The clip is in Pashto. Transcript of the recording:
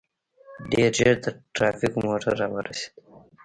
ډېر ژر د ټرافيکو موټر راورسېد.